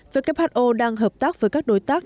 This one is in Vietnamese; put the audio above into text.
who đang hợp tác với các đối tác